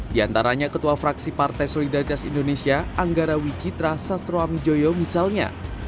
di antaranya ketua fraksi partai solidaritas indonesia anggara wicitra sastro amijoyo misalnya